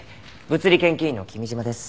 物理研究員の君嶋です。